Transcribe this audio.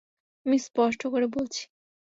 আমি স্পষ্ট করে বলছি।